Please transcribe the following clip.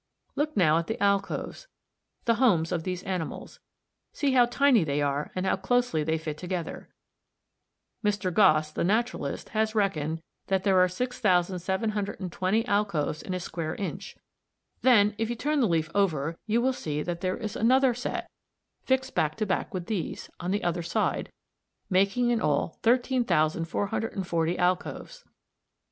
Look now at the alcoves, the homes of these animals; see how tiny they are and how closely they fit together. Mr. Gosse, the naturalist, has reckoned that there are 6720 alcoves in a square inch; then if you turn the leaf over you will see that there is another set, fixed back to back with these, on the other side, making in all 13,440 alcoves.